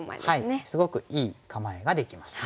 すごくいい構えができますね。